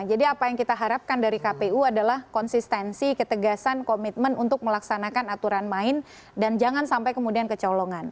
jadi apa yang kita harapkan dari kpu adalah konsistensi ketegasan komitmen untuk melaksanakan aturan main dan jangan sampai kemudian kecolongan